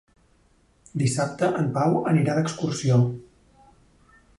Dissabte en Pau anirà d'excursió.